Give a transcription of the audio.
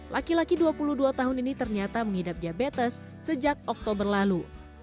laki laki dua puluh dua tahun ini ternyata mengidap diabetes sejak oktober lalu